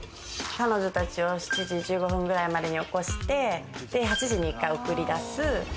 彼女たちを７時１５分くらいまでに起こして、８時に１回送り出す。